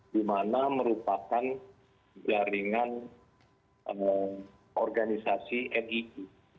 di mana merupakan jaringan organisasi nii